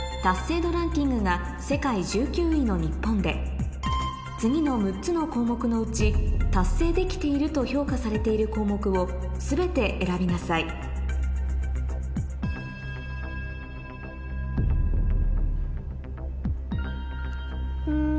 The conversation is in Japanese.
世界１９位の日本で次の６つの項目のうち達成できていると評価されている項目をすべて選びなさいうん。